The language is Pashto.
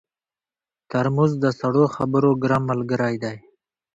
ترموز د سړو خبرو ګرم ملګری دی.